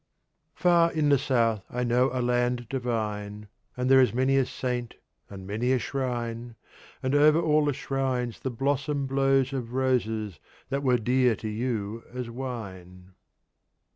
Far in the South I know a Land divine, (1) And there is many a Saint and many a Shrine, And over all the shrines the Blossom blows Of Roses that were dear to you as wine.